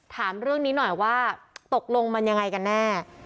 ถามเรื่องนี้หน่อยว่าตกลงมันยังไงกันแน่